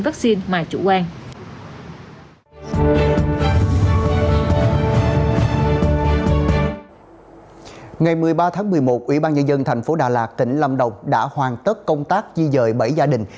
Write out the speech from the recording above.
một ủy ban dân dân thành phố đà lạt tỉnh lâm đồng đã hoàn tất công tác di dời bảy gia đình